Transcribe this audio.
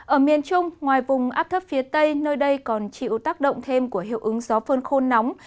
ở miền trung ngoài vùng áp thấp phía tây nơi đây còn chịu tác động thêm của hiệu ứng gió phơn khôn nóng